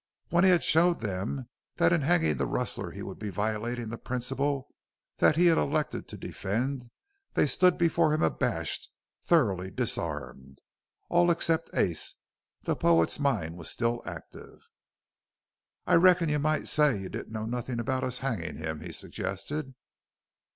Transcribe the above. When he had shown them that in hanging the rustler he would be violating the principle that he had elected to defend, they stood before him abashed, thoroughly disarmed. All except Ace. The poet's mind was still active. "I reckon you might say you didn't know nothin' about us hangin' him?" he suggested.